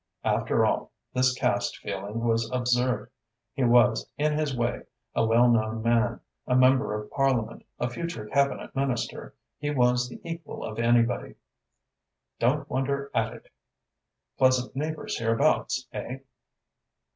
After all, this caste feeling was absurd. He was, in his way, a well known man, a Member of Parliament, a future Cabinet Minister. He was the equal of anybody. "Don't wonder at it! Pleasant neighbours hereabouts, eh?"